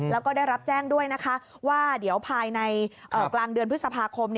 แล้วก็ได้รับแจ้งด้วยนะคะว่าเดี๋ยวภายในกลางเดือนพฤษภาคม